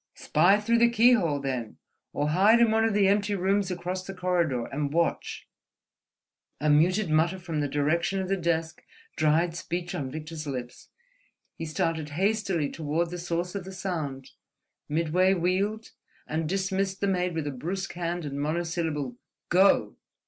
"Spy through the keyhole, then; or hide in one of the empty rooms across the corridor, and watch—" A muted mutter from the direction of the desk dried speech on Victor's lips. He started hastily toward the source of the sound, midway wheeled, and dismissed the maid with a brusque hand and monosyllable—"Go!"